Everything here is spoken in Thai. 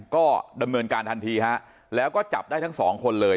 ก็ดำเนินการทันทีฮะแล้วก็จับได้ทั้งสองคนเลย